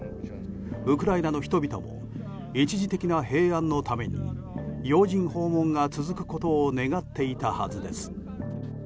ウクライナの人々も一時的な平安のために要人訪問が続くことを願っていたはずです。